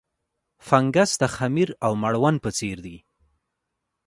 فنګس د خمیر او مړوند په څېر دي.